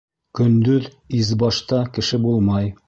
Көндөҙ избашта кеше булмай.